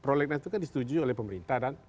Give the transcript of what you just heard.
prolegnas itu kan disetujui oleh pemerintah dan